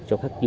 cho khách hàng